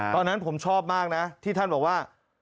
ตอนนั้นผมชอบมากนะที่ท่านบอกว่า